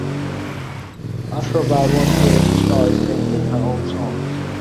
After about one year, she started writing her own songs.